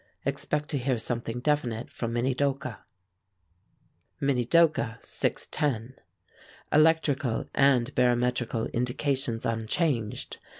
Expect to hear something definite from Minidoka. MINIDOKA, 6:10. Electrical and barometrical indications unchanged.